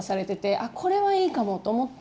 あこれはいいかもと思って。